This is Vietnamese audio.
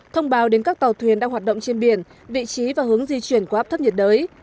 thông báo đến các tàu thuyền đang hoạt động trên biển vị trí và hướng di chuyển của áp thấp nhiệt đới